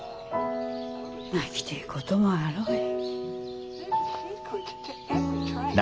泣きてえこともあろうえ。